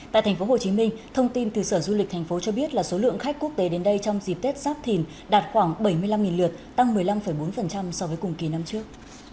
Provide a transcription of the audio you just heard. tại tp hcm thông tin từ sở du lịch thành phố cho biết là số lượng khách quốc tế đến đây trong dịp tết giáp thìn đạt khoảng bảy mươi năm lượt tăng một mươi năm bốn so với cùng kỳ năm trước